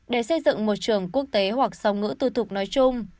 để xây dựng một trường quốc tế hoặc sóng ngữ tù tục nói chung